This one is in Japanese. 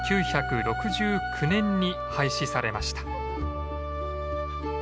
１９６９年に廃止されました。